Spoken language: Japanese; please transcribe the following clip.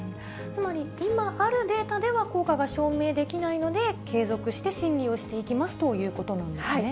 つまり今あるデータでは、効果が証明できないので、継続して審議をしていきますということなんですね？